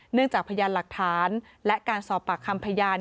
จากพยานหลักฐานและการสอบปากคำพยาน